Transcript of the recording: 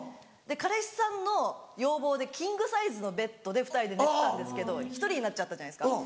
彼氏さんの要望でキングサイズのベッドで２人で寝てたんですけど１人になっちゃったじゃないですか。